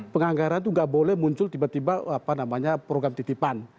penganggaran itu nggak boleh muncul tiba tiba program titipan